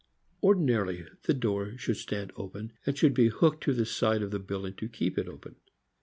Ordinarily the door should stand open, and should be hooked to the side of the building to keep it open.